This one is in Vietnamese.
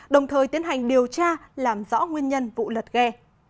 đồng thời tiến hành điều tra làm rõ nguyên nhân vụ lật ghe